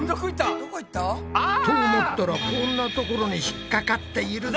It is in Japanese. どこ行った？と思ったらこんなところに引っ掛かっているぞ。